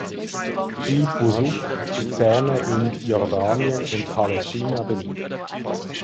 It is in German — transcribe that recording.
Die "buzuq" ist ferner in Jordanien und Palästina beliebt.